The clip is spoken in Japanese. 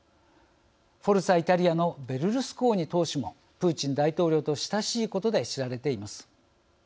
フォルツァ・イタリアのベルルスコーニ党首もプーチン大統領と親しいことで知られています。